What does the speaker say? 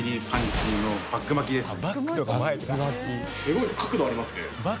すごい角度ありますね。